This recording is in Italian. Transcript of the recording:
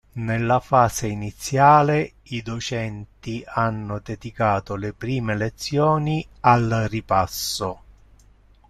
Nella fase iniziale i Docenti hanno dedicato le prime lezioni al ripasso.